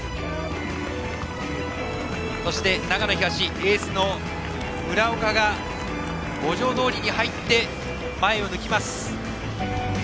そして長野東、エースの村岡が五条通に入って前を抜きます。